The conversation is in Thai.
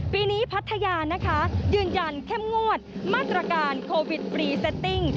ปีนี้พัทยานะคะยืนยันเข้มงวดมาตรการโควิดพรีเซตติ้ง